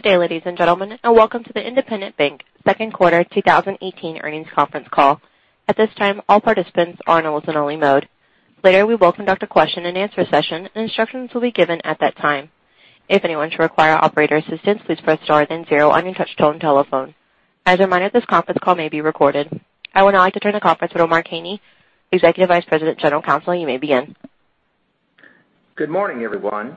Good day, ladies and gentlemen, and welcome to the Independent Bank second quarter 2018 earnings conference call. At this time, all participants are in listen-only mode. Later, we will conduct a question-and-answer session. Instructions will be given at that time. If anyone should require operator assistance, please press star then zero on your touch tone telephone. As a reminder, this conference call may be recorded. I would now like to turn the conference over to Mark Haney, Executive Vice President, General Counsel. You may begin. Good morning, everyone.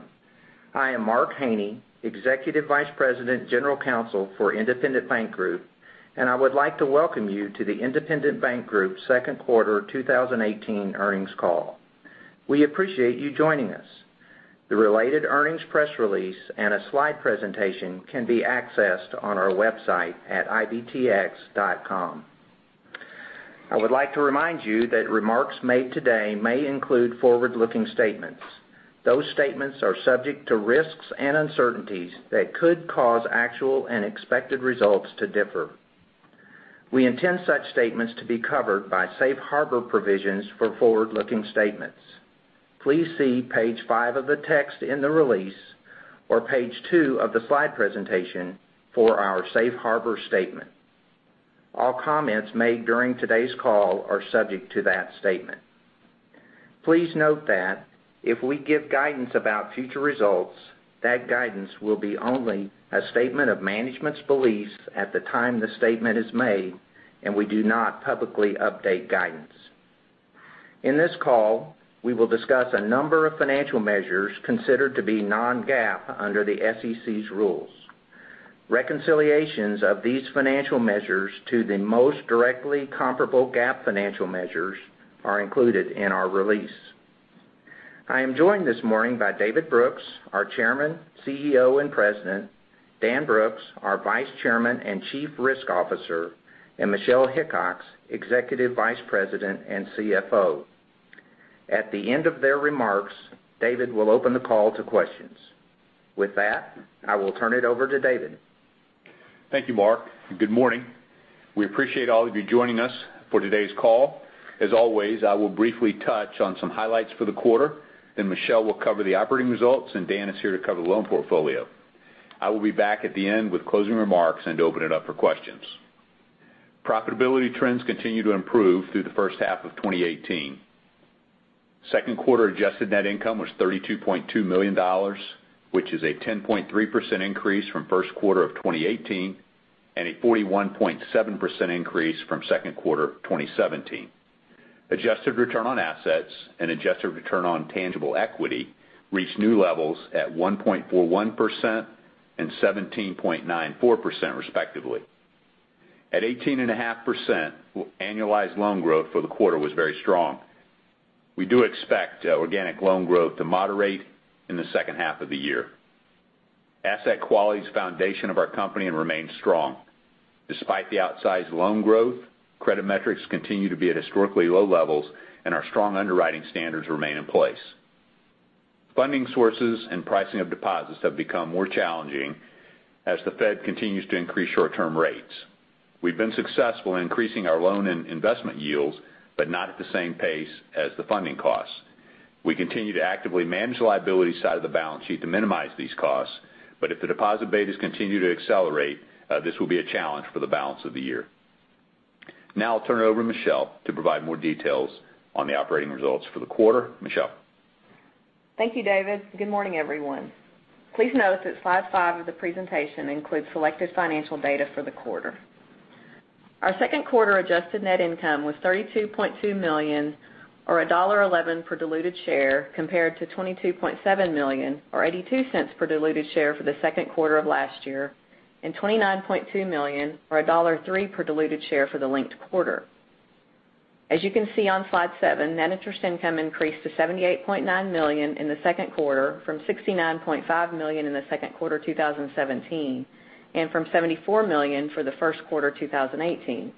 I am Mark Haney, Executive Vice President, General Counsel for Independent Bank Group, and I would like to welcome you to the Independent Bank Group second quarter 2018 earnings call. We appreciate you joining us. The related earnings press release and a slide presentation can be accessed on our website at ibtx.com. I would like to remind you that remarks made today may include forward-looking statements. Those statements are subject to risks and uncertainties that could cause actual and expected results to differ. We intend such statements to be covered by Safe Harbor provisions for forward-looking statements. Please see page five of the text in the release or page two of the slide presentation for our Safe Harbor statement. All comments made during today's call are subject to that statement. Please note that if we give guidance about future results, that guidance will be only a statement of management's beliefs at the time the statement is made. We do not publicly update guidance. In this call, we will discuss a number of financial measures considered to be non-GAAP under the SEC's rules. Reconciliations of these financial measures to the most directly comparable GAAP financial measures are included in our release. I am joined this morning by David Brooks, our Chairman, CEO, and President, Daniel Brooks, our Vice Chairman and Chief Risk Officer, and Michelle Hickox, Executive Vice President and CFO. At the end of their remarks, David will open the call to questions. With that, I will turn it over to David. Thank you, Mark, and good morning. We appreciate all of you joining us for today's call. As always, I will briefly touch on some highlights for the quarter. Michelle will cover the operating results. Dan is here to cover the loan portfolio. I will be back at the end with closing remarks and open it up for questions. Profitability trends continue to improve through the first half of 2018. Second quarter adjusted net income was $32.2 million, which is a 10.3% increase from first quarter of 2018 and a 41.7% increase from second quarter of 2017. Adjusted Return on Assets and adjusted Return on Tangible Equity reached new levels at 1.41% and 17.94%, respectively. At 18.5%, annualized loan growth for the quarter was very strong. We do expect organic loan growth to moderate in the second half of the year. Asset quality is the foundation of our company and remains strong. Despite the outsized loan growth, credit metrics continue to be at historically low levels, and our strong underwriting standards remain in place. Funding sources and pricing of deposits have become more challenging as the Fed continues to increase short-term rates. We've been successful in increasing our loan and investment yields but not at the same pace as the funding costs. We continue to actively manage the liability side of the balance sheet to minimize these costs. If the deposit betas continue to accelerate, this will be a challenge for the balance of the year. Now I'll turn it over to Michelle to provide more details on the operating results for the quarter. Michelle? Thank you, David. Good morning, everyone. Please note that slide five of the presentation includes selected financial data for the quarter. Our second quarter adjusted net income was $32.2 million, or $1.11 per diluted share, compared to $22.7 million, or $0.82 per diluted share for the second quarter of last year, and $29.2 million, or $1.03 per diluted share for the linked quarter. As you can see on slide seven, net interest income increased to $78.9 million in the second quarter from $69.5 million in the second quarter 2017 and from $74 million for the first quarter 2018.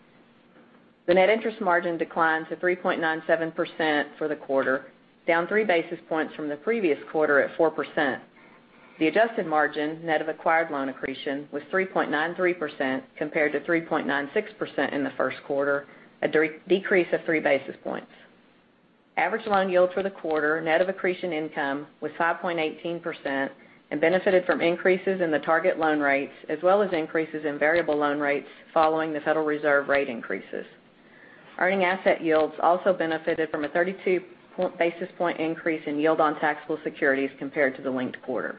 The Net Interest Margin declined to 3.97% for the quarter, down three basis points from the previous quarter at 4%. The adjusted margin, net of acquired loan accretion, was 3.93%, compared to 3.96% in the first quarter, a decrease of three basis points. Average loan yields for the quarter, net of accretion income, was 5.18% and benefited from increases in the target loan rates as well as increases in variable loan rates following the Federal Reserve rate increases. Earning asset yields also benefited from a 32-basis point increase in yield on taxable securities compared to the linked quarter.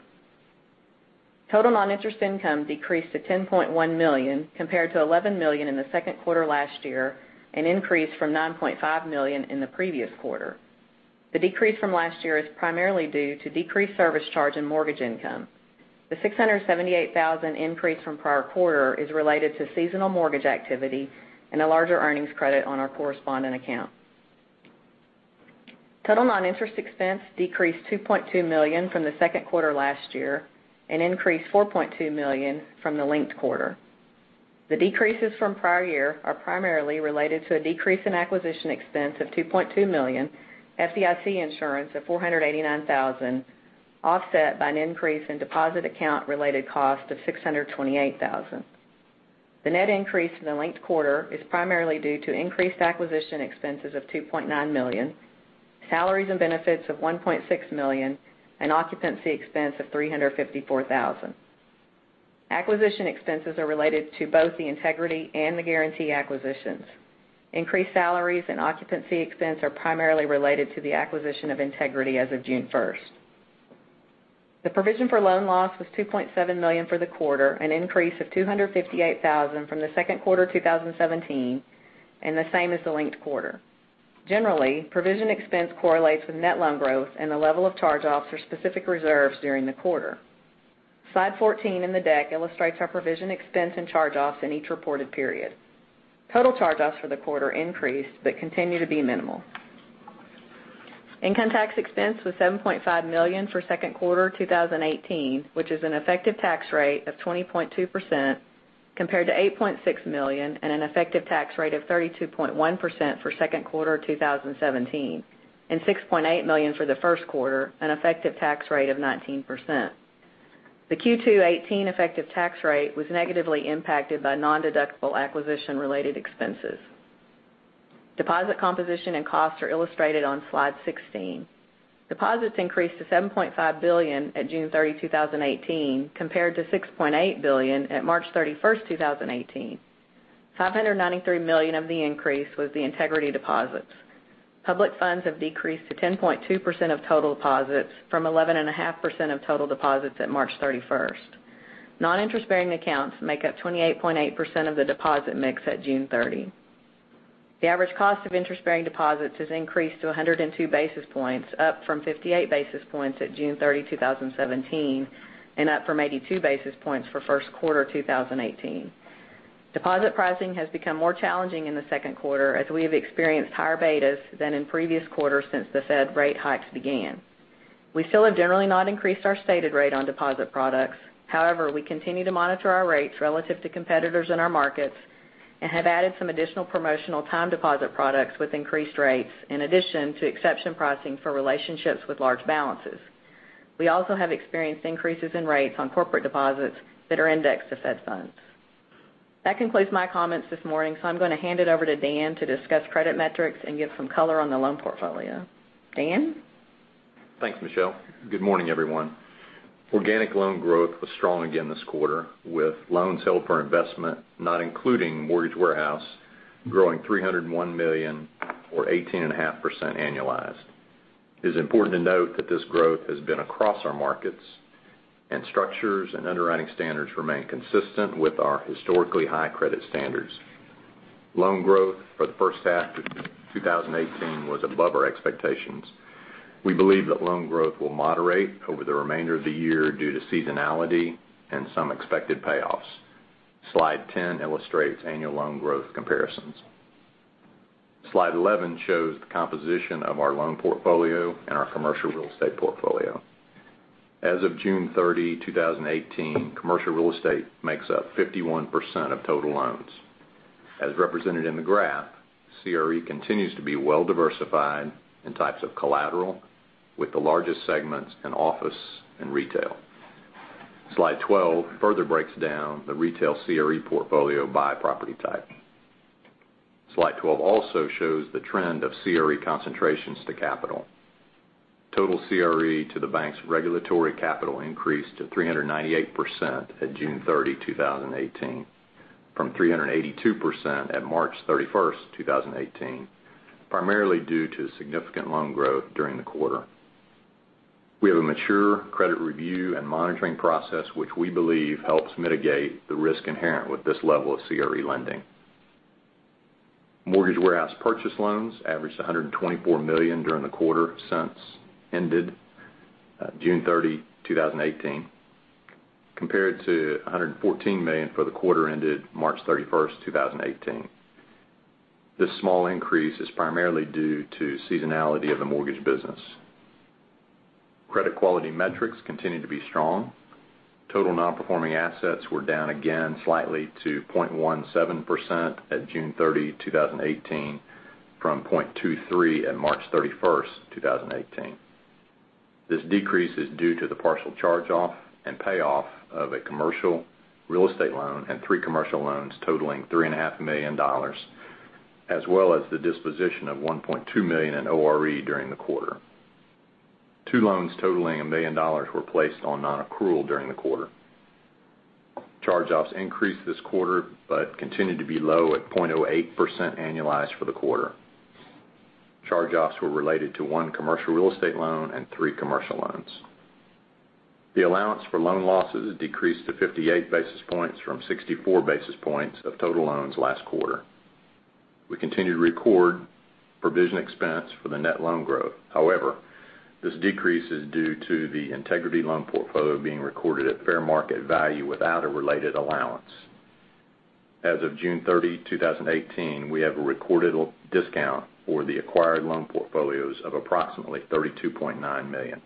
Total non-interest income decreased to $10.1 million, compared to $11 million in the second quarter last year and increased from $9.5 million in the previous quarter. The decrease from last year is primarily due to decreased service charge and mortgage income. The $678,000 increase from prior quarter is related to seasonal mortgage activity and a larger earnings credit on our correspondent account. Total non-interest expense decreased $2.2 million from the second quarter last year and increased $4.2 million from the linked quarter. The decreases from prior year are primarily related to a decrease in acquisition expense of $2.2 million, FDIC insurance of $489,000, offset by an increase in deposit account-related cost of $628,000. The net increase in the linked quarter is primarily due to increased acquisition expenses of $2.9 million, salaries and benefits of $1.6 million, and occupancy expense of $354,000. Acquisition expenses are related to both the Integrity and the Guaranty acquisitions. Increased salaries and occupancy expense are primarily related to the acquisition of Integrity as of June 1st. The provision for loan loss was $2.7 million for the quarter, an increase of $258,000 from the second quarter 2017, and the same as the linked quarter. Generally, provision expense correlates with net loan growth and the level of charge-offs for specific reserves during the quarter. Slide 14 in the deck illustrates our provision expense and charge-offs in each reported period. Total charge-offs for the quarter increased but continue to be minimal. Income tax expense was $7.5 million for second quarter 2018, which is an effective tax rate of 20.2%, compared to $8.6 million at an effective tax rate of 32.1% for second quarter 2017, and $6.8 million for the first quarter, an effective tax rate of 19%. The Q2 '18 effective tax rate was negatively impacted by non-deductible acquisition related expenses. Deposit composition and costs are illustrated on Slide 16. Deposits increased to $7.5 billion at June 30, 2018, compared to $6.8 billion at March 31st, 2018. $593 million of the increase was the Integrity deposits. Public funds have decreased to 10.2% of total deposits from 11.5% of total deposits at March 31st. Non-interest-bearing accounts make up 28.8% of the deposit mix at June 30. The average cost of interest-bearing deposits has increased to 102 basis points, up from 58 basis points at June 30, 2017, and up from 82 basis points for first quarter 2018. Deposit pricing has become more challenging in the second quarter as we have experienced higher betas than in previous quarters since the Fed rate hikes began. We still have generally not increased our stated rate on deposit products. However, we continue to monitor our rates relative to competitors in our markets and have added some additional promotional time deposit products with increased rates in addition to exception pricing for relationships with large balances. We also have experienced increases in rates on corporate deposits that are indexed to Fed funds. That concludes my comments this morning, I'm going to hand it over to Dan to discuss credit metrics and give some color on the loan portfolio. Dan? Thanks, Michelle. Good morning, everyone. Organic loan growth was strong again this quarter with loans held for investment, not including Mortgage Warehouse, growing $301 million or 18.5% annualized. It is important to note that this growth has been across our markets, and structures and underwriting standards remain consistent with our historically high credit standards. Loan growth for the first half of 2018 was above our expectations. We believe that loan growth will moderate over the remainder of the year due to seasonality and some expected payoffs. Slide 10 illustrates annual loan growth comparisons. Slide 11 shows the composition of our loan portfolio and our commercial real estate portfolio. As of June 30, 2018, commercial real estate makes up 51% of total loans. As represented in the graph, CRE continues to be well-diversified in types of collateral with the largest segments in office and retail. Slide 12 further breaks down the retail CRE portfolio by property type. Slide 12 also shows the trend of CRE concentrations to capital. Total CRE to the bank's regulatory capital increased to 398% at June 30, 2018, from 382% at March 31st, 2018, primarily due to significant loan growth during the quarter. We have a mature credit review and monitoring process which we believe helps mitigate the risk inherent with this level of CRE lending. Mortgage Warehouse purchase loans averaged $124 million during the quarter since ended June 30, 2018, compared to $114 million for the quarter ended March 31st, 2018. This small increase is primarily due to seasonality of the mortgage business. Credit quality metrics continue to be strong. Total non-performing assets were down again slightly to 0.17% at June 30, 2018, from 0.23% at March 31st, 2018. This decrease is due to the partial charge-off and payoff of a commercial real estate loan and three commercial loans totaling $3.5 million, as well as the disposition of $1.2 million in ORE during the quarter. Two loans totaling $1 million were placed on non-accrual during the quarter. Charge-offs increased this quarter but continued to be low at 0.08% annualized for the quarter. Charge-offs were related to one commercial real estate loan and three commercial loans. The allowance for loan losses decreased to 58 basis points from 64 basis points of total loans last quarter. We continue to record provision expense for the net loan growth. However, this decrease is due to the Integrity loan portfolio being recorded at fair market value without a related allowance. As of June 30, 2018, we have a recorded discount for the acquired loan portfolios of approximately $32.9 million.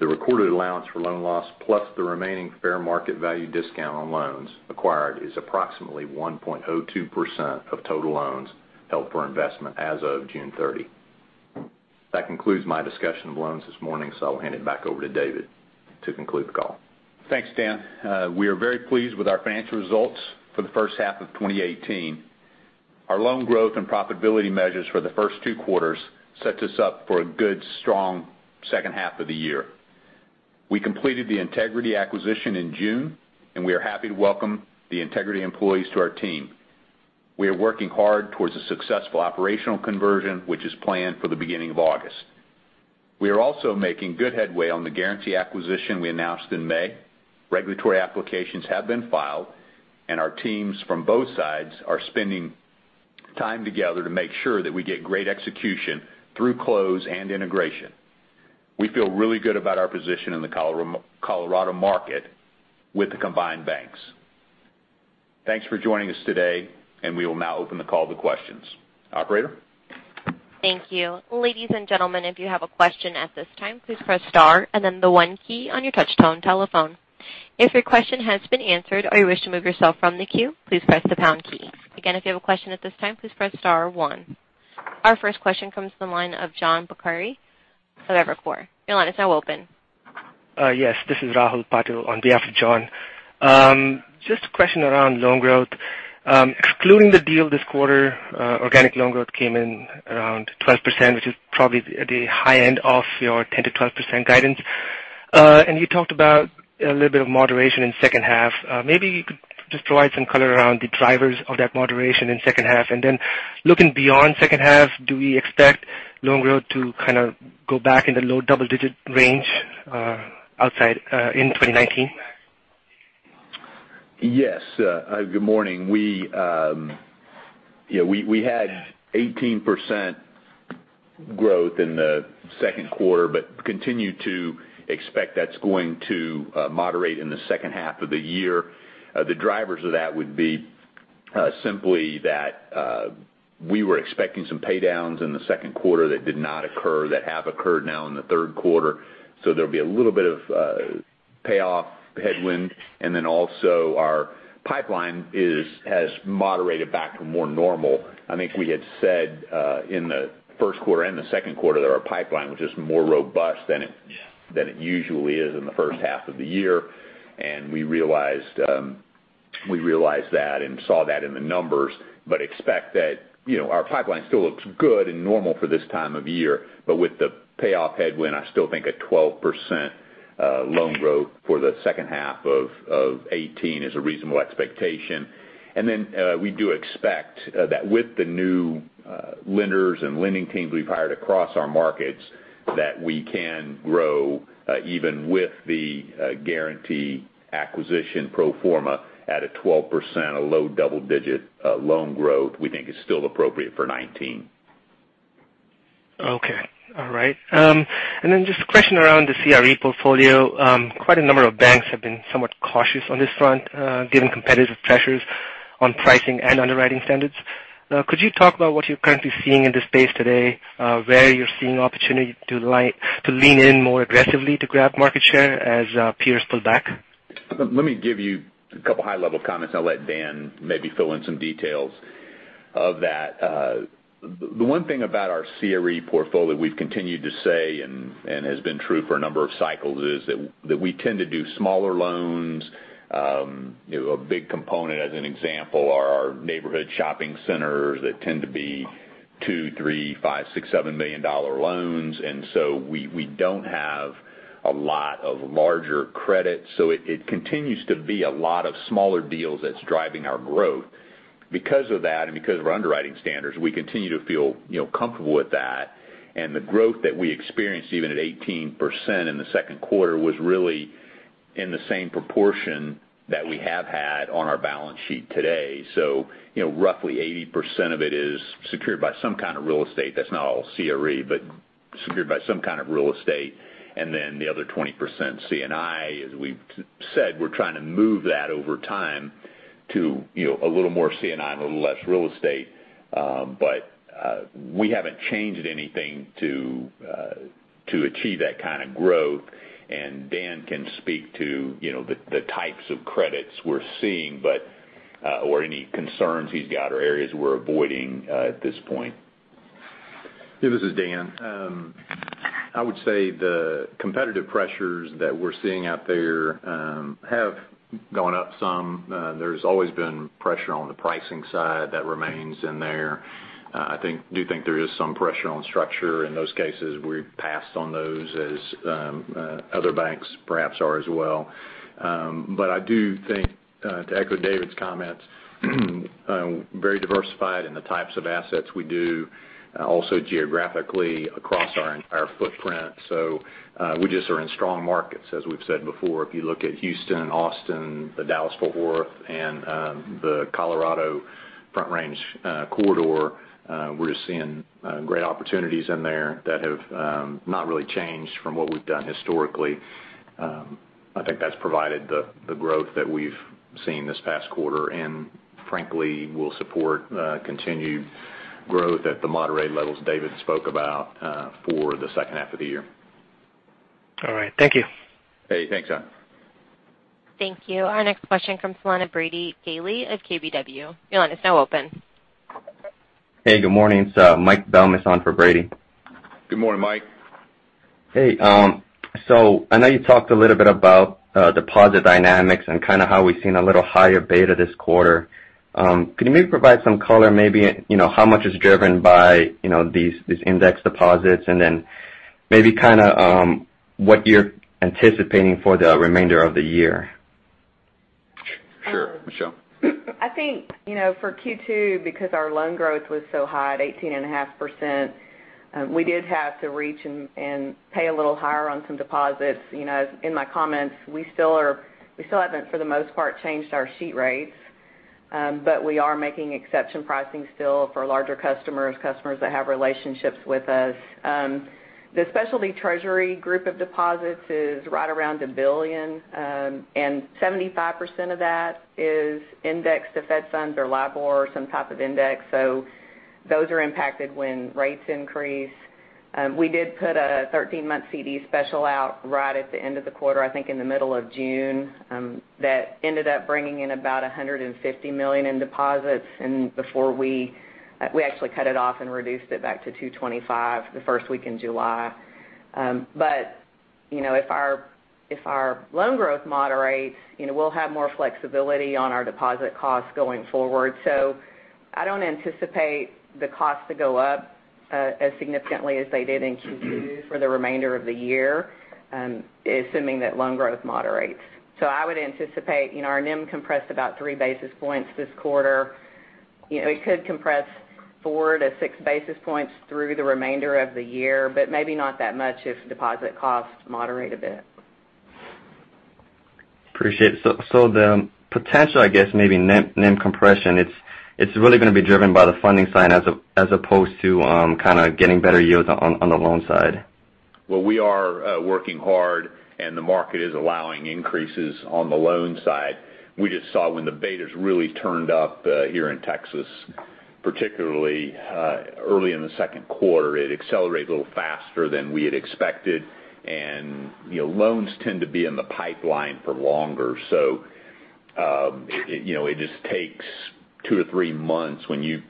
The recorded allowance for loan loss plus the remaining fair market value discount on loans acquired is approximately 1.02% of total loans held for investment as of June 30. That concludes my discussion of loans this morning. I'll hand it back over to David to conclude the call. Thanks, Dan. We are very pleased with our financial results for the first half of 2018. Our loan growth and profitability measures for the first two quarters set us up for a good, strong second half of the year. We completed the Integrity acquisition in June. We are happy to welcome the Integrity employees to our team. We are working hard towards a successful operational conversion, which is planned for the beginning of August. We are also making good headway on the Guaranty acquisition we announced in May. Regulatory applications have been filed. Our teams from both sides are spending time together to make sure that we get great execution through close and integration. We feel really good about our position in the Colorado market with the combined banks. Thanks for joining us today. We will now open the call to questions. Operator? Thank you. Ladies and gentlemen, if you have a question at this time, please press star and then the one key on your touch-tone telephone. If your question has been answered or you wish to move yourself from the queue, please press the pound key. Again, if you have a question at this time, please press star one. Our first question comes from the line of John Pancari of Evercore. Your line is now open. Yes. This is Rahul Patil on behalf of John. Just a question around loan growth. Excluding the deal this quarter, organic loan growth came in around 12%, which is probably at the high end of your 10%-12% guidance. You talked about a little bit of moderation in second half. Maybe you could just provide some color around the drivers of that moderation in second half. Looking beyond second half, do we expect loan growth to kind of go back in the low double-digit range in 2019? Yes. Good morning. We had 18% growth in the second quarter, continue to expect that's going to moderate in the second half of the year. The drivers of that would be simply that we were expecting some paydowns in the second quarter that did not occur, that have occurred now in the third quarter. There'll be a little bit of payoff headwind. Also our pipeline has moderated back to more normal. I think we had said in the first quarter and the second quarter that our pipeline was just more robust than it usually is in the first half of the year. We realized that and saw that in the numbers, expect that our pipeline still looks good and normal for this time of year. With the payoff headwind, I still think a 12% loan growth for the second half of 2018 is a reasonable expectation. We do expect that with the new lenders and lending teams we've hired across our markets, that we can grow, even with the Guaranty acquisition pro forma at a 12%, a low double-digit loan growth we think is still appropriate for 2019. Okay. All right. Just a question around the CRE portfolio. Quite a number of banks have been somewhat cautious on this front, given competitive pressures on pricing and underwriting standards. Could you talk about what you're currently seeing in this space today, where you're seeing opportunity to lean in more aggressively to grab market share as peers pull back? Let me give you a couple high-level comments. I will let Dan maybe fill in some details of that. The one thing about our CRE portfolio we've continued to say and has been true for a number of cycles is that we tend to do smaller loans. A big component, as an example, are our neighborhood shopping centers that tend to be $2 million, $3 million, $5 million, $6 million, $7 million loans. We don't have a lot of larger credits. It continues to be a lot of smaller deals that's driving our growth. Because of that and because of our underwriting standards, we continue to feel comfortable with that. The growth that we experienced, even at 18% in the second quarter, was really in the same proportion that we have had on our balance sheet today. Roughly 80% of it is secured by some kind of real estate. That's not all CRE, but secured by some kind of real estate. Then the other 20% C&I. As we've said, we're trying to move that over time to a little more C&I and a little less real estate. We haven't changed anything to achieve that kind of growth. Dan can speak to the types of credits we're seeing or any concerns he's got or areas we're avoiding at this point. Yeah, this is Dan. I would say the competitive pressures that we're seeing out there have gone up some. There's always been pressure on the pricing side. That remains in there. I do think there is some pressure on structure. In those cases, we've passed on those as other banks perhaps are as well. I do think, to echo David's comments, very diversified in the types of assets we do, also geographically across our footprint. We just are in strong markets. As we've said before, if you look at Houston, Austin, the Dallas-Fort Worth, and the Colorado Front Range corridor, we're just seeing great opportunities in there that have not really changed from what we've done historically. I think that's provided the growth that we've seen this past quarter, and frankly, will support continued growth at the moderate levels David spoke about for the second half of the year. All right. Thank you. Hey, thanks, John. Thank you. Our next question comes from Brady Gailey of KBW. Brady, it's now open. Hey, good morning. It's Michael Belmes on for Brady. Good morning, Mike. Hey, I know you talked a little bit about deposit dynamics and how we've seen a little higher beta this quarter. Can you maybe provide some color, maybe how much is driven by these index deposits, then maybe what you're anticipating for the remainder of the year? Sure. Michelle? I think for Q2, because our loan growth was so high at 18.5%, we did have to reach and pay a little higher on some deposits. In my comments, we still haven't, for the most part, changed our sheet rates. We are making exception pricing still for larger customers that have relationships with us. The specialty treasury group of deposits is right around $1 billion. 75% of that is indexed to Fed funds or LIBOR or some type of index. Those are impacted when rates increase. We did put a 13-month CD special out right at the end of the quarter, I think in the middle of June. That ended up bringing in about $150 million in deposits. We actually cut it off and reduced it back to 2.25% the first week in July. If our loan growth moderates, we'll have more flexibility on our deposit costs going forward. I don't anticipate the costs to go up as significantly as they did in Q2 for the remainder of the year, assuming that loan growth moderates. I would anticipate our NIM compressed about 3 basis points this quarter. It could compress 4 to 6 basis points through the remainder of the year, but maybe not that much if deposit costs moderate a bit. Appreciate it. The potential, I guess, maybe NIM compression, it's really going to be driven by the funding side as opposed to getting better yields on the loan side. Well, we are working hard, and the market is allowing increases on the loan side. We just saw when the betas really turned up here in Texas, particularly early in the second quarter, it accelerated a little faster than we had expected. Loans tend to be in the pipeline for longer. It just takes 2 to 3 months when you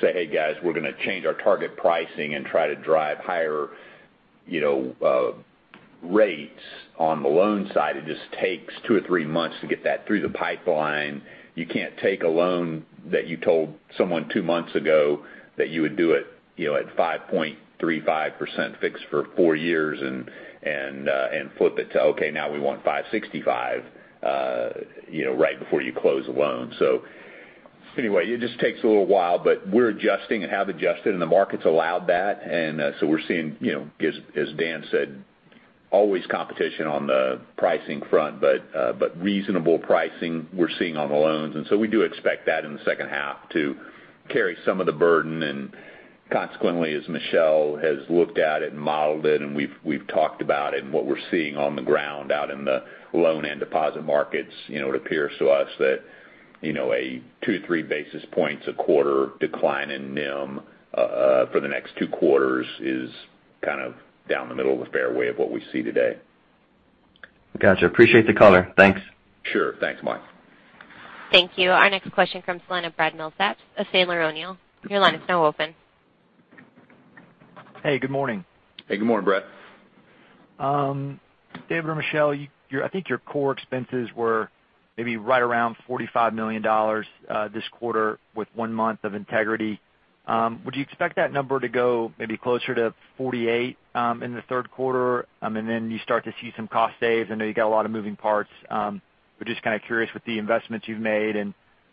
say, "Hey guys, we're going to change our target pricing and try to drive higher rates on the loan side." It just takes 2 or 3 months to get that through the pipeline. You can't take a loan that you told someone 2 months ago that you would do it at 5.35% fixed for 4 years and flip it to, okay, now we want 565, right before you close the loan. Anyway, it just takes a little while, but we're adjusting and have adjusted, and the market's allowed that. We're seeing, as Dan said, always competition on the pricing front. Reasonable pricing we're seeing on the loans. We do expect that in the second half to carry some of the burden. Consequently, as Michelle has looked at it and modeled it and we've talked about it and what we're seeing on the ground out in the loan and deposit markets, it appears to us that a 2 to 3 basis points a quarter decline in NIM for the next 2 quarters is kind of down the middle of the fairway of what we see today. Got you. Appreciate the color. Thanks. Sure. Thanks, Mike. Thank you. Our next question comes from the line of Brad Milsaps of Sandler O'Neill. Your line is now open. Hey, good morning. Hey, good morning, Brad. David or Michelle, I think your core expenses were maybe right around $45 million this quarter with one month of Integrity. Would you expect that number to go maybe closer to $48 million in the third quarter? Then you start to see some cost saves? I know you've got a lot of moving parts. We're just kind of curious with the investments you've made,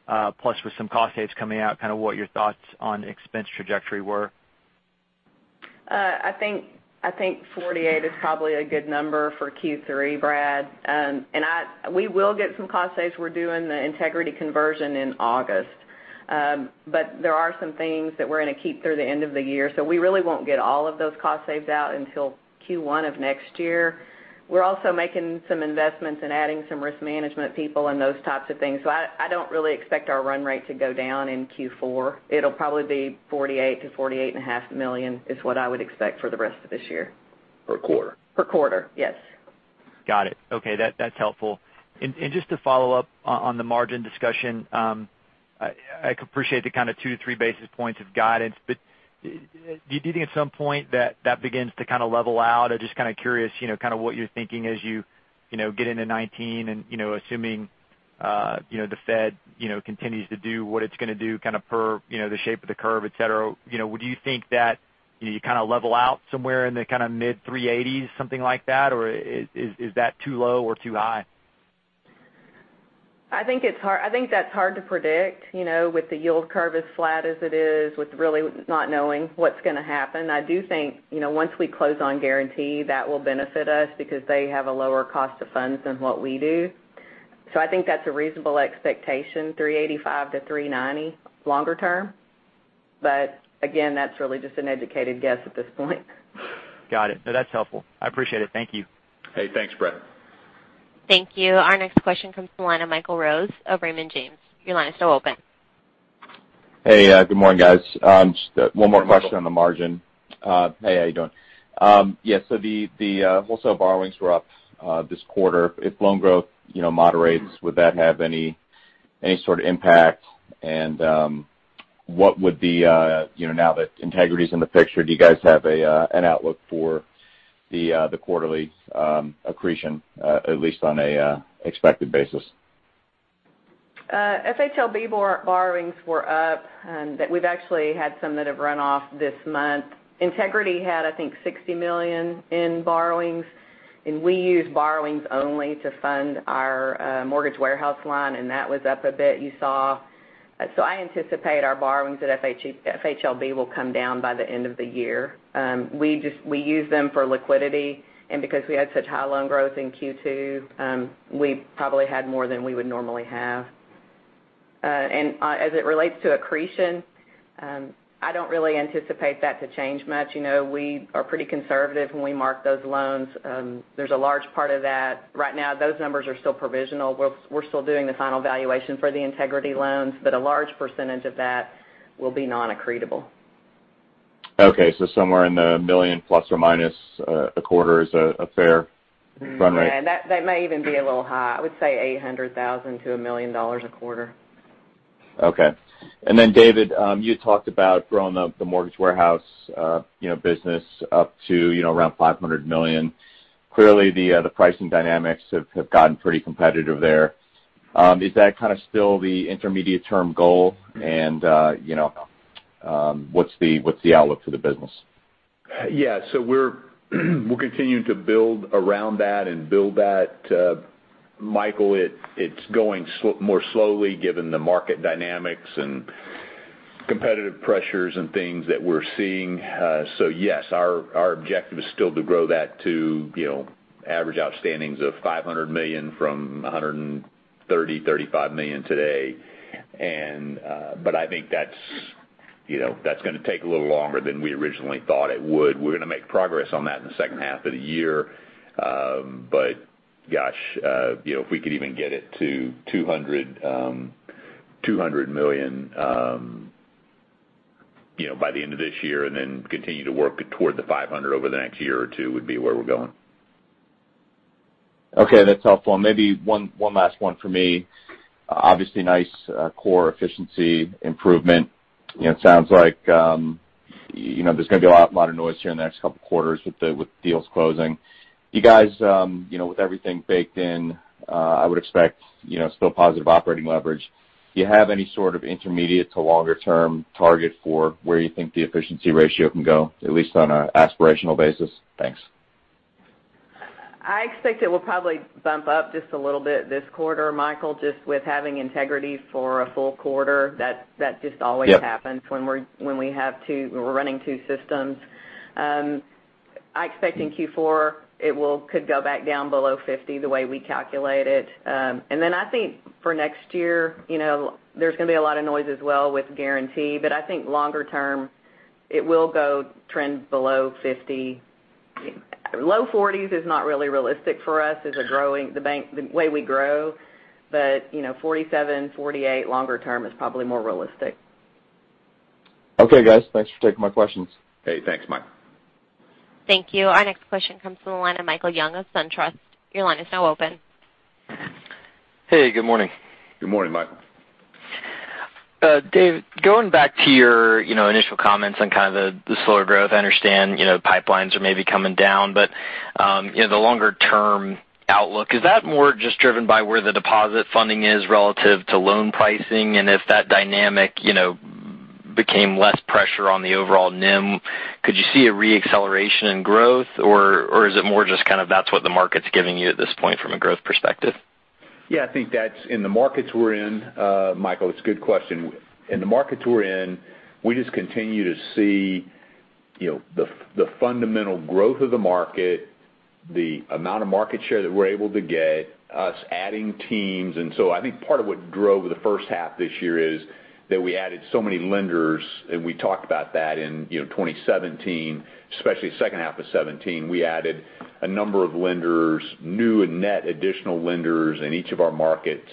plus with some cost saves coming out, kind of what your thoughts on expense trajectory were. I think $48 million is probably a good number for Q3, Brad. We will get some cost saves. We're doing the Integrity conversion in August. There are some things that we're going to keep through the end of the year, so we really won't get all of those cost saves out until Q1 of next year. We're also making some investments in adding some risk management people and those types of things. I don't really expect our run rate to go down in Q4. It'll probably be $48 million-$48.5 million is what I would expect for the rest of this year. Per quarter? Per quarter, yes. Got it. Okay. That's helpful. Just to follow up on the margin discussion. I appreciate the kind of two to three basis points of guidance. Do you think at some point that begins to kind of level out? I'm just kind of curious what you're thinking as you get into 2019 and assuming the Fed continues to do what it's going to do per the shape of the curve, et cetera. Would you think that you kind of level out somewhere in the kind of mid-380s, something like that? Or is that too low or too high? I think that's hard to predict with the yield curve as flat as it is, with really not knowing what's going to happen. I do think once we close on Guaranty, that will benefit us because they have a lower cost of funds than what we do. I think that's a reasonable expectation, 385 to 390 longer term. Again, that's really just an educated guess at this point. Got it. No, that's helpful. I appreciate it. Thank you. Hey, thanks, Brad. Thank you. Our next question comes from the line of Michael Rose of Raymond James. Your line is still open. Hey, good morning, guys. Just one more question on the margin. Hey, how you doing? The wholesale borrowings were up this quarter. If loan growth moderates, would that have any sort of impact? Now that Integrity's in the picture, do you guys have an outlook for the quarterly accretion, at least on an expected basis? FHLB borrowings were up, we've actually had some that have run off this month. Integrity had, I think, $60 million in borrowings, we use borrowings only to fund our Mortgage Warehouse line, that was up a bit, you saw. I anticipate our borrowings at FHLB will come down by the end of the year. We use them for liquidity, because we had such high loan growth in Q2, we probably had more than we would normally have. As it relates to accretion, I don't really anticipate that to change much. We are pretty conservative when we mark those loans. There's a large part of that. Right now, those numbers are still provisional. We're still doing the final valuation for the Integrity loans, but a large percentage of that will be non-accretable. Okay, somewhere in the $1 million ± a quarter is a fair run rate. Yeah. That may even be a little high. I would say $800,000 to $1 million a quarter. Okay. David, you had talked about growing the Mortgage Warehouse business up to around $500 million. Clearly, the pricing dynamics have gotten pretty competitive there. Is that kind of still the intermediate-term goal? What's the outlook for the business? Yeah. We'll continue to build around that and build that. Michael, it's going more slowly given the market dynamics and competitive pressures and things that we're seeing. Yes, our objective is still to grow that to average outstandings of $500 million from $130 million-$135 million today. I think that's going to take a little longer than we originally thought it would. We're going to make progress on that in the second half of the year. Gosh, if we could even get it to $200 million by the end of this year and then continue to work toward the $500 million over the next year or two would be where we're going. Okay, that's helpful. Maybe one last one for me. Obviously, nice core efficiency improvement. It sounds like there's going to be a lot of noise here in the next couple of quarters with deals closing. You guys, with everything baked in, I would expect still positive operating leverage. Do you have any sort of intermediate to longer-term target for where you think the efficiency ratio can go, at least on an aspirational basis? Thanks. I expect it will probably bump up just a little bit this quarter, Michael, just with having Integrity for a full quarter. That just always happens- Yep When we're running two systems. I expect in Q4, it could go back down below 50 the way we calculate it. I think for next year, there's going to be a lot of noise as well with Guaranty. I think longer term, it will go trend below 50. Low 40s is not really realistic for us as the way we grow. 47, 48 longer term is probably more realistic. Okay, guys. Thanks for taking my questions. Hey, thanks, Mike. Thank you. Our next question comes from the line of Michael Young of SunTrust. Your line is now open. Hey, good morning. Good morning, Michael. David, going back to your initial comments on kind of the slower growth. I understand pipelines are maybe coming down, but the longer-term outlook, is that more just driven by where the deposit funding is relative to loan pricing? If that dynamic became less pressure on the overall NIM, could you see a re-acceleration in growth, or is it more just kind of that's what the market's giving you at this point from a growth perspective? Yeah, I think that's in the markets we're in. Michael, it's a good question. In the markets we're in, we just continue to see the fundamental growth of the market, the amount of market share that we're able to get, us adding teams. I think part of what drove the first half this year is that we added so many lenders, and we talked about that in 2017, especially second half of 2017. We added a number of lenders, new and net additional lenders in each of our markets.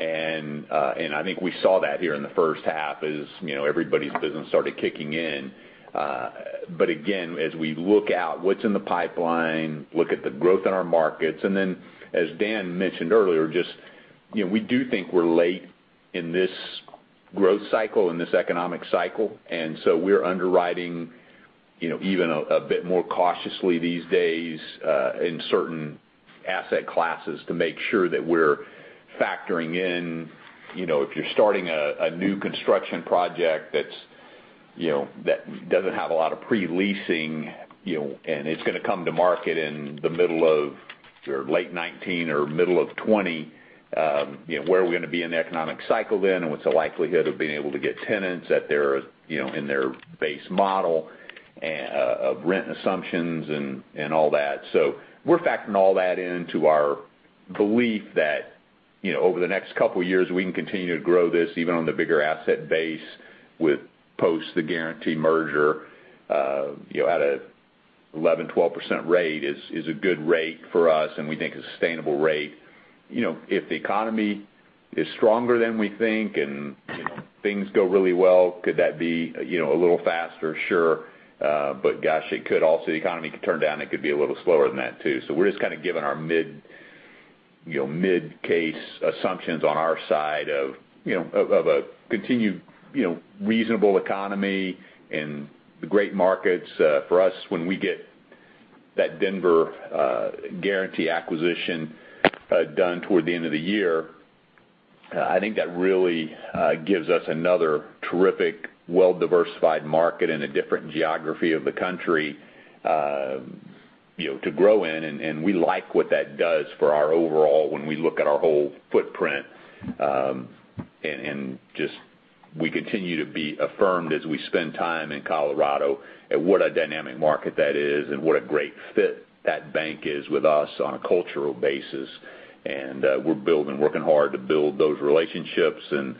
I think we saw that here in the first half as everybody's business started kicking in. Again, as we look out what's in the pipeline, look at the growth in our markets, and then as Daniel mentioned earlier, just we do think we're late in this growth cycle, in this economic cycle. We're underwriting even a bit more cautiously these days in certain asset classes to make sure that we're factoring in if you're starting a new construction project that doesn't have a lot of pre-leasing, and it's going to come to market in the middle of late 2019 or middle of 2020, where are we going to be in the economic cycle then? What's the likelihood of being able to get tenants in their base model of rent assumptions and all that? We're factoring all that into our belief that over the next couple of years, we can continue to grow this even on the bigger asset base with post the Guaranty merger at a 11%, 12% rate is a good rate for us, and we think a sustainable rate. If the economy is stronger than we think and things go really well, could that be a little faster? Sure. Gosh, it could also, the economy could turn down, it could be a little slower than that too. We're just kind of giving our mid case assumptions on our side of a continued reasonable economy and the great markets for us when we get that Denver Guaranty acquisition done toward the end of the year. I think that really gives us another terrific, well-diversified market in a different geography of the country to grow in, and we like what that does for our overall when we look at our whole footprint. Just, we continue to be affirmed as we spend time in Colorado at what a dynamic market that is and what a great fit that bank is with us on a cultural basis. We're building, working hard to build those relationships on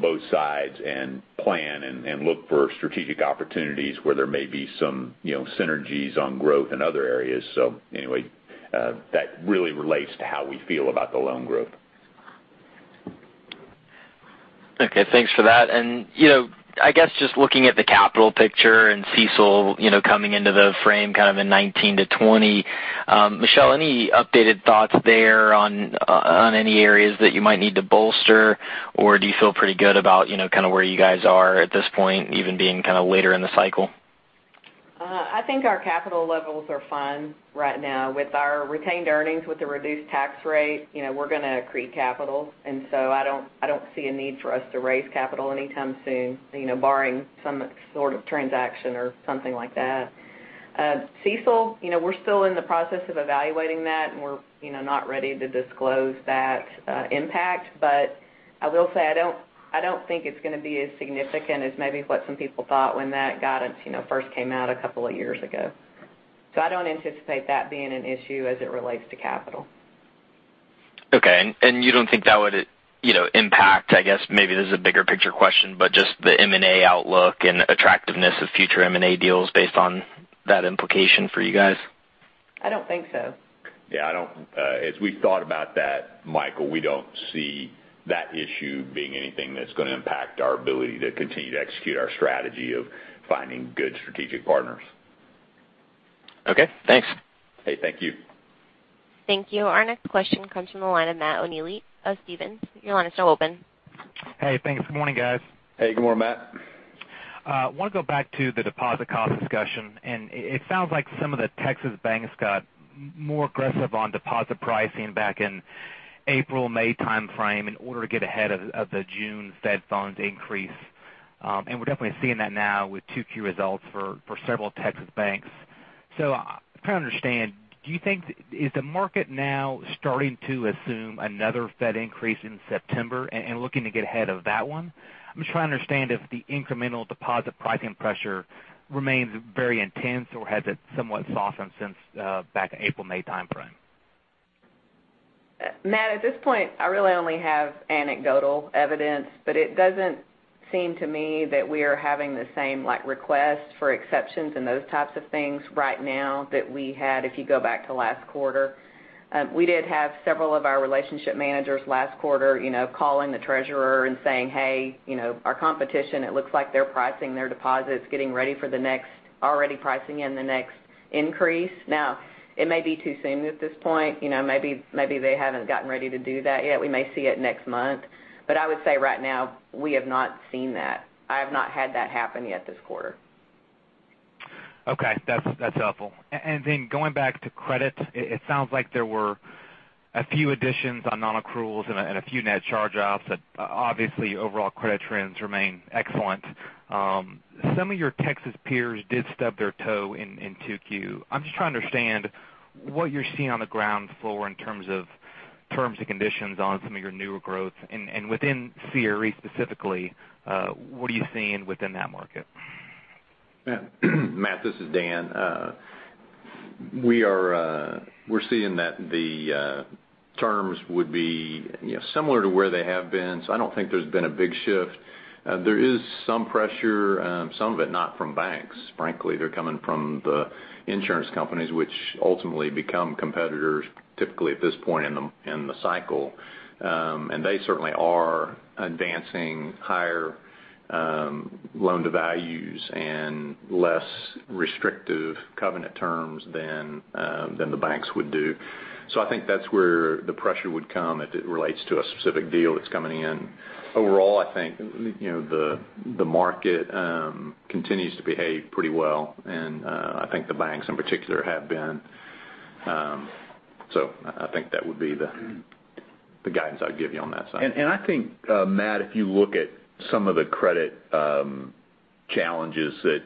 both sides and plan and look for strategic opportunities where there may be some synergies on growth in other areas. Anyway, that really relates to how we feel about the loan growth. Okay. Thanks for that. I guess just looking at the capital picture and CECL coming into the frame kind of in 2019 to 2020. Michelle, any updated thoughts there on any areas that you might need to bolster? Do you feel pretty good about where you guys are at this point, even being kind of later in the cycle? I think our capital levels are fine right now. With our retained earnings, with the reduced tax rate, we're going to accrete capital. I don't see a need for us to raise capital anytime soon, barring some sort of transaction or something like that. CECL, we're still in the process of evaluating that, and we're not ready to disclose that impact. I will say, I don't think it's going to be as significant as maybe what some people thought when that guidance first came out a couple of years ago. I don't anticipate that being an issue as it relates to capital. Okay. You don't think that would impact, I guess maybe this is a bigger picture question, but just the M&A outlook and attractiveness of future M&A deals based on that implication for you guys? I don't think so. Yeah. As we've thought about that, Michael, we don't see that issue being anything that's going to impact our ability to continue to execute our strategy of finding good strategic partners. Okay, thanks. Hey, thank you. Thank you. Our next question comes from the line of Matt Olney of Stephens. Your line is now open. Hey, thanks. Good morning, guys. Hey, good morning, Matt. I want to go back to the deposit cost discussion. It sounds like some of the Texas banks got more aggressive on deposit pricing back in April, May timeframe in order to get ahead of the June Fed funds increase. We're definitely seeing that now with 2Q results for several Texas banks. I'm trying to understand, is the market now starting to assume another Fed increase in September and looking to get ahead of that one? I'm just trying to understand if the incremental deposit pricing pressure remains very intense, or has it somewhat softened since back April, May timeframe. Matt, at this point, I really only have anecdotal evidence, it doesn't seem to me that we are having the same requests for exceptions and those types of things right now that we had if you go back to last quarter. We did have several of our relationship managers last quarter calling the treasurer and saying, "Hey, our competition, it looks like they're pricing their deposits, getting ready for the next, already pricing in the next increase." Now, it may be too soon at this point. Maybe they haven't gotten ready to do that yet. We may see it next month. I would say right now, we have not seen that. I have not had that happen yet this quarter. Okay. That's helpful. Going back to credit, it sounds like there were a few additions on non-accruals and a few net charge-offs that obviously overall credit trends remain excellent. Some of your Texas peers did stub their toe in 2Q. I'm just trying to understand what you're seeing on the ground floor in terms of terms and conditions on some of your newer growth. Within CRE specifically, what are you seeing within that market? Matt, this is Dan. We're seeing that the terms would be similar to where they have been. I don't think there's been a big shift. There is some pressure, some of it not from banks. Frankly, they're coming from the insurance companies, which ultimately become competitors typically at this point in the cycle. They certainly are advancing higher loan-to-values and less restrictive covenant terms than the banks would do. I think that's where the pressure would come if it relates to a specific deal that's coming in. Overall, I think the market continues to behave pretty well, I think the banks in particular have been. I think that would be the guidance I'd give you on that side. I think, Matt, if you look at some of the credit challenges that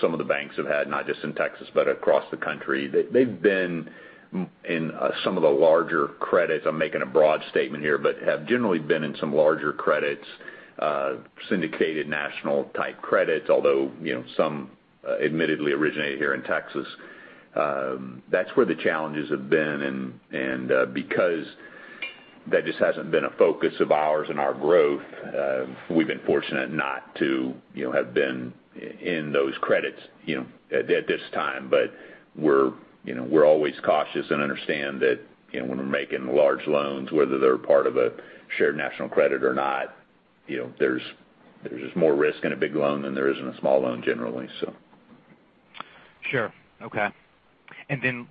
some of the banks have had, not just in Texas but across the country, they've been in some of the larger credits. I'm making a broad statement here, but have generally been in some larger credits, syndicated national type credits, although some admittedly originated here in Texas. That's where the challenges have been. Because that just hasn't been a focus of ours and our growth. We've been fortunate not to have been in those credits at this time. We're always cautious and understand that when we're making large loans, whether they're part of a Shared National Credit or not, there's just more risk in a big loan than there is in a small loan generally. Sure. Okay.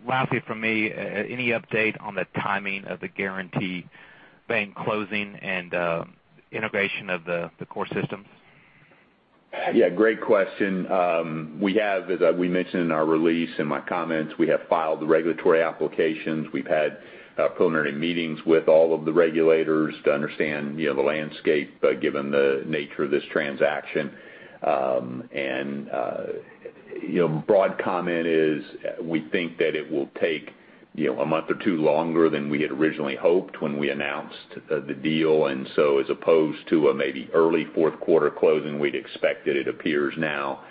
Lastly from me, any update on the timing of the Guaranty Bank closing and integration of the core systems? Yeah, great question. We have, as we mentioned in our release and my comments, we have filed the regulatory applications. We've had preliminary meetings with all of the regulators to understand the landscape given the nature of this transaction. Broad comment is, we think that it will take a month or two longer than we had originally hoped when we announced the deal. As opposed to a maybe early fourth quarter closing, we'd expect that it appears now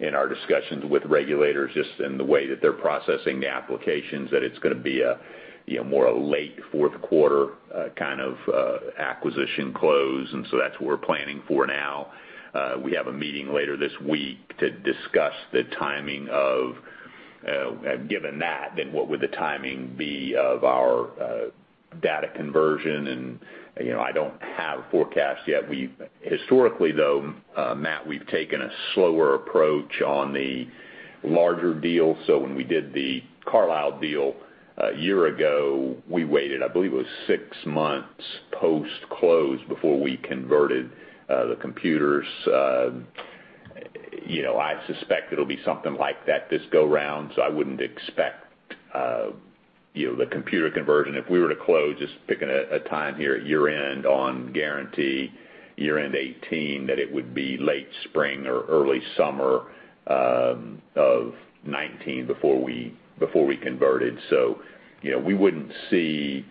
in our discussions with regulators, just in the way that they're processing the applications, that it's going to be a more late fourth quarter kind of acquisition close. That's what we're planning for now. We have a meeting later this week to discuss the timing of, given that, then what would the timing be of our data conversion and I don't have a forecast yet. Historically, though, Matt Olney, we've taken a slower approach on the larger deals. When we did the Carlile deal a year ago, we waited, I believe it was 6 months post-close before we converted the computers. I suspect it'll be something like that this go round. I wouldn't expect the computer conversion, if we were to close, just picking a time here at year-end on Guaranty, year-end 2018, that it would be late spring or early summer of 2019 before we converted. We wouldn't see.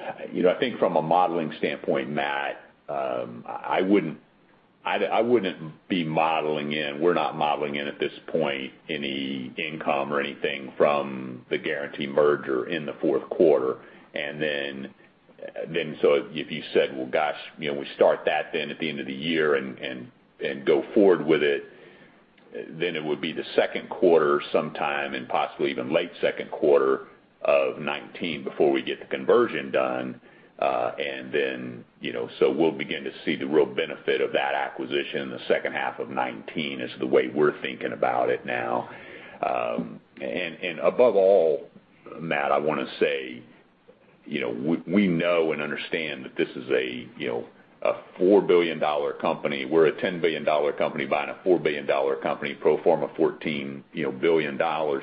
I think from a modeling standpoint, Matt Olney, I wouldn't be modeling in, we're not modeling in, at this point, any income or anything from the Guaranty merger in the fourth quarter. If you said, "Well, gosh, we start that then at the end of the year and go forward with it," then it would be the second quarter sometime and possibly even late second quarter of 2019 before we get the conversion done. We'll begin to see the real benefit of that acquisition in the second half of 2019 is the way we're thinking about it now. Above all, Matt Olney, I want to say, we know and understand that this is a $4 billion company. We're a $10 billion company buying a $4 billion company, pro forma $14 billion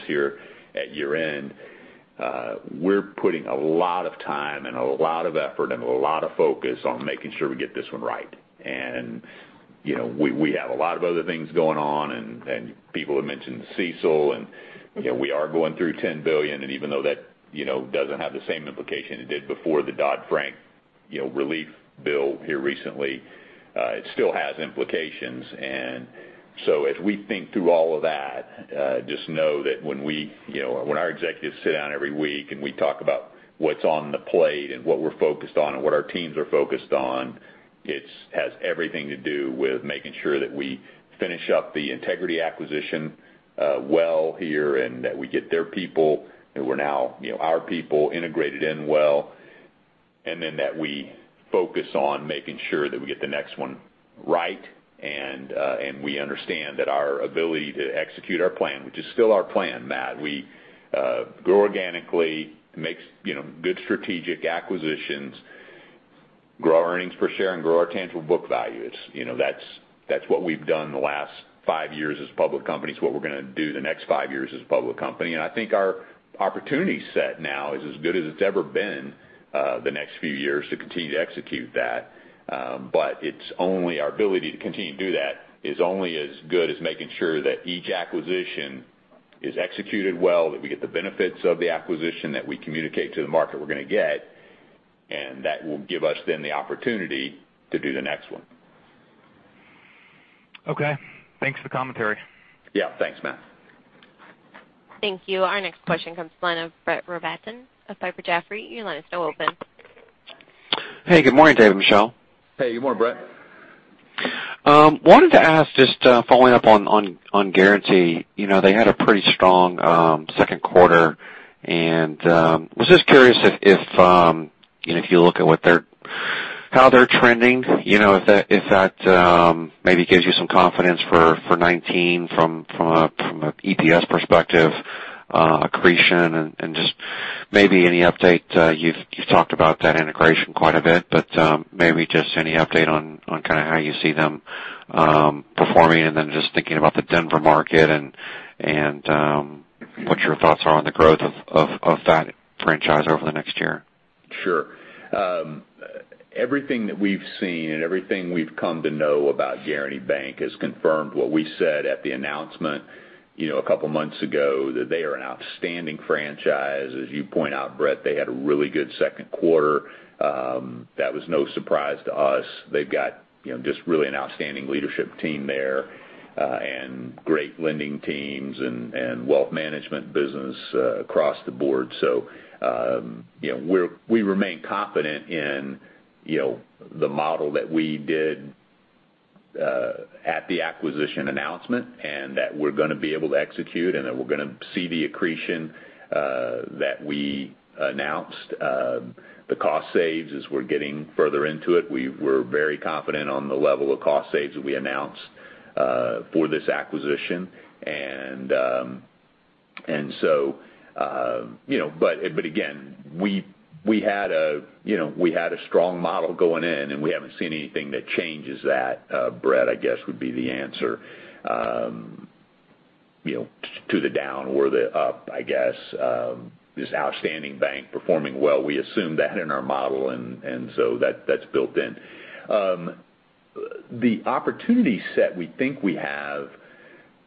here at year-end. We're putting a lot of time and a lot of effort and a lot of focus on making sure we get this one right. We have a lot of other things going on. People have mentioned CECL. We are going through $10 billion, even though that doesn't have the same implication it did before the Dodd-Frank relief bill here recently, it still has implications. As we think through all of that, just know that when our executives sit down every week and we talk about what's on the plate and what we're focused on and what our teams are focused on, it has everything to do with making sure that we finish up the Integrity acquisition well here and that we get their people, who are now our people, integrated in well. Then that we focus on making sure that we get the next one right. We understand that our ability to execute our plan, which is still our plan, Matt. We grow organically, make good strategic acquisitions, grow our earnings per share, and grow our tangible book values. That's what we've done the last five years as a public company. It's what we're going to do the next five years as a public company. I think our opportunity set now is as good as it's ever been the next few years to continue to execute that. Our ability to continue to do that is only as good as making sure that each acquisition is executed well, that we get the benefits of the acquisition that we communicate to the market we're going to get, and that will give us then the opportunity to do the next one. Okay. Thanks for the commentary. Yeah. Thanks, Matt. Thank you. Our next question comes from the line of Brett Rabatin of Piper Jaffray. Your line is now open. Hey, good morning, David Brooks. Hey, good morning, Brett. Wanted to ask, just following up on Guaranty. They had a pretty strong second quarter. Was just curious if you look at how they're trending, if that maybe gives you some confidence for 2019 from an EPS perspective, accretion and just maybe any update. You've talked about that integration quite a bit, but maybe just any update on kind of how you see them performing and then just thinking about the Denver market and what your thoughts are on the growth of that franchise over the next year? Sure. Everything that we've seen and everything we've come to know about Guaranty Bank has confirmed what we said at the announcement a couple of months ago, that they are an outstanding franchise. As you point out, Brett, they had a really good second quarter. That was no surprise to us. They've got just really an outstanding leadership team there and great lending teams and wealth management business across the board. We remain confident in the model that we did at the acquisition announcement, and that we're going to be able to execute and that we're going to see the accretion that we announced, the cost saves as we're getting further into it. We're very confident on the level of cost saves that we announced for this acquisition. Again, we had a strong model going in, and we haven't seen anything that changes that, Brett, I guess would be the answer. To the down or the up, I guess. This outstanding bank performing well, we assume that in our model and that's built in. The opportunity set we think we have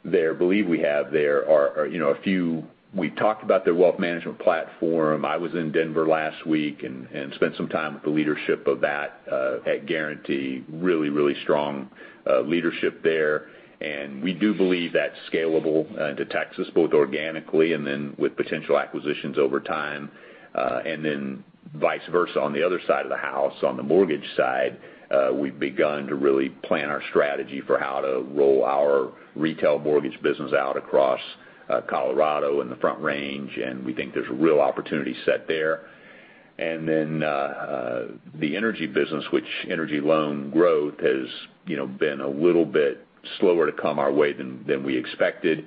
there, believe we have there, are a few. We talked about their wealth management platform. I was in Denver last week and spent some time with the leadership of that at Guaranty. Really strong leadership there. We do believe that's scalable to Texas, both organically and then with potential acquisitions over time. Vice versa, on the other side of the house, on the mortgage side, we've begun to really plan our strategy for how to roll our retail mortgage business out across Colorado and the Front Range, and we think there's a real opportunity set there. The energy business, which energy loan growth has been a little bit slower to come our way than we expected.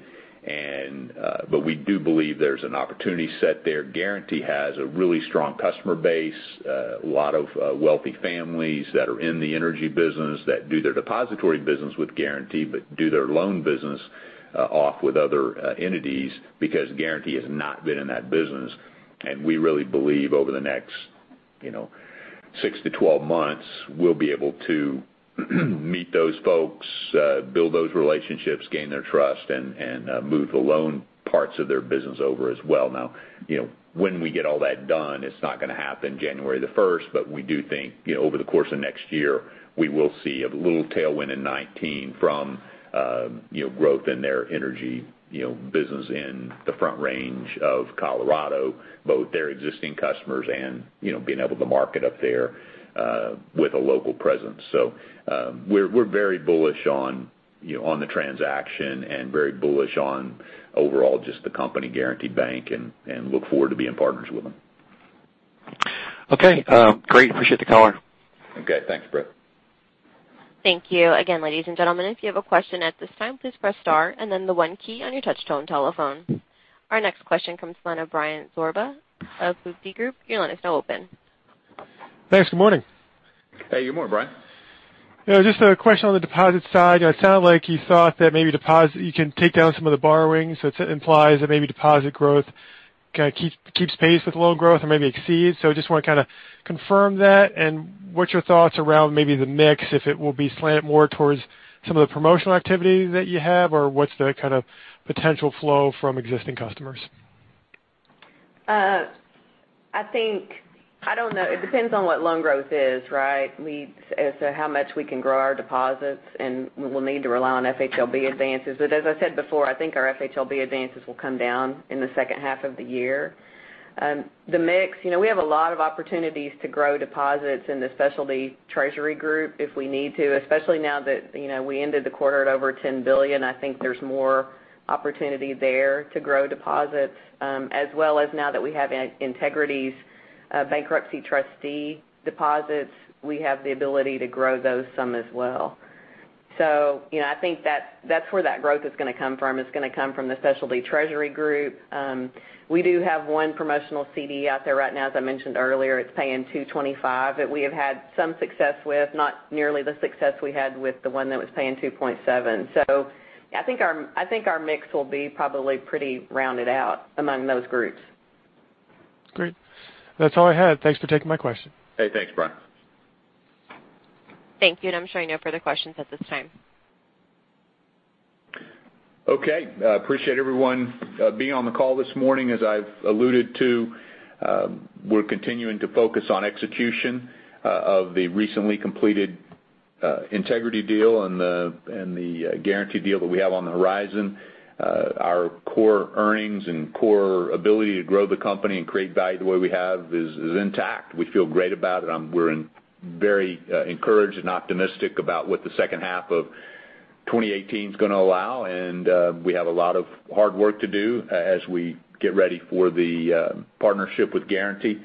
We do believe there's an opportunity set there. Guaranty has a really strong customer base, a lot of wealthy families that are in the energy business that do their depository business with Guaranty but do their loan business off with other entities because Guaranty has not been in that business. We really believe over the next 6-12 months, we'll be able to meet those folks, build those relationships, gain their trust, and move the loan parts of their business over as well. Now, when we get all that done, it's not going to happen January the 1st, but we do think, over the course of next year, we will see a little tailwind in 2019 from growth in their energy business in the Front Range of Colorado, both their existing customers and being able to market up there with a local presence. We're very bullish on the transaction and very bullish on overall just the company, Guaranty Bank, and look forward to being partners with them. Okay. Great. Appreciate the call. Okay. Thanks, Brett. Thank you. Again, ladies and gentlemen, if you have a question at this time, please press star and then the one key on your touch-tone telephone. Our next question comes from the line of Michael Rose of the Raymond James. Your line is now open. Thanks. Good morning. Hey, good morning, Michael. Just a question on the deposit side. It sounded like you thought that maybe you can take down some of the borrowings, it implies that maybe deposit growth keeps pace with loan growth or maybe exceeds. Just want to kind of confirm that, and what's your thoughts around maybe the mix, if it will be slant more towards some of the promotional activity that you have, or what's the kind of potential flow from existing customers? I don't know. It depends on what loan growth is, right? As to how much we can grow our deposits, and we will need to rely on FHLB advances. As I said before, I think our FHLB advances will come down in the second half of the year. The mix, we have a lot of opportunities to grow deposits in the specialty treasury group if we need to, especially now that we ended the quarter at over $10 billion. I think there's more opportunity there to grow deposits. As well as now that we have Integrity's bankruptcy trustee deposits, we have the ability to grow those some as well. I think that's where that growth is going to come from, is going to come from the specialty treasury group. We do have one promotional CD out there right now. As I mentioned earlier, it's paying 2.25% that we have had some success with. Not nearly the success we had with the one that was paying 2.7%. I think our mix will be probably pretty rounded out among those groups. Great. That's all I had. Thanks for taking my question. Hey, thanks, Michael. Thank you. I'm showing no further questions at this time. Okay. Appreciate everyone being on the call this morning. As I've alluded to, we're continuing to focus on execution of the recently completed Integrity deal and the Guaranty deal that we have on the horizon. Our core earnings and core ability to grow the company and create value the way we have is intact. We feel great about it. We're very encouraged and optimistic about what the second half of 2018's going to allow. We have a lot of hard work to do as we get ready for the partnership with Guaranty.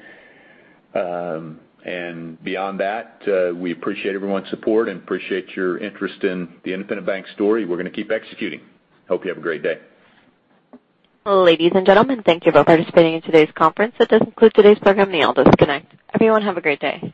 Beyond that, we appreciate everyone's support and appreciate your interest in the Independent Bank story. We're going to keep executing. Hope you have a great day. Ladies and gentlemen, thank you for participating in today's conference. That does conclude today's program. You may all disconnect. Everyone have a great day.